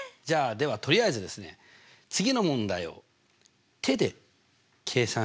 じゃあではとりあえずですね次の問題をえっ？